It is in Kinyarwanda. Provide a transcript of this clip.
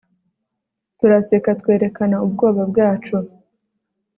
turaseka, twerekana ubwoba bwacu